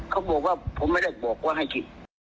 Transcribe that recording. เขาบอกว่าผมไม่ได้บอกว่าให้คิด